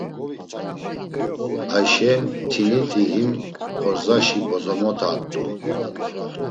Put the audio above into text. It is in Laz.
Ayşe mtiniti him xordzaşi bozomota t̆u.